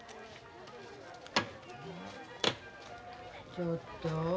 ちょっと。